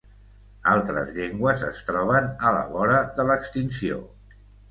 Altres llengües es troben a la vora de l'extinció.